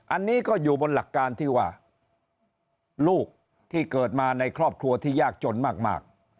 อันนี้ก็อยู่บนหลักการที่ว่าลูกที่เกิดมาในครอบครัวที่ยากจนมาก